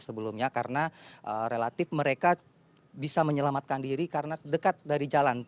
sebelumnya karena relatif mereka bisa menyelamatkan diri karena dekat dari jalan